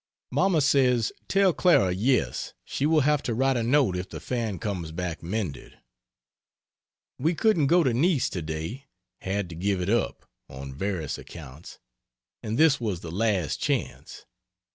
Mamma says, tell Clara yes, she will have to write a note if the fan comes back mended. We couldn't go to Nice to day had to give it up, on various accounts and this was the last chance.